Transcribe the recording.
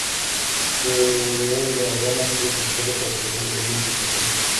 A su regreso a La Habana, fue contratado para trabajar regularmente en "Carteles".